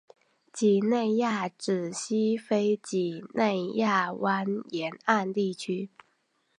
几内亚指西非几内亚湾沿岸地区。